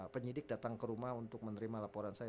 penyidik datang ke rumah untuk menerima laporan saya